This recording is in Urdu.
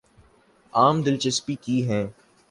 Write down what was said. عام دلچسپی کی ہیں